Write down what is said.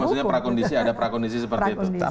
jadi maksudnya ada prakondisi seperti itu